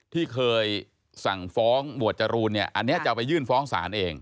ที่เคยสั่งฟ้องหมวดจรูนเนี่ยอันนี้จะเอาไปยื่นฟ้องศาลเอง